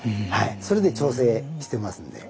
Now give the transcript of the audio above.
それで調整してますんで。